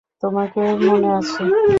তোমাকে মনে আছে।